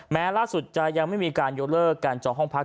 แม้ล่าสุดจะยังไม่มีการยกเลิกการจองห้องพัก